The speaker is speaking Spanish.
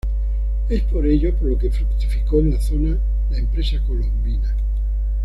Es por ello por lo que fructificó en la zona la empresa colombina.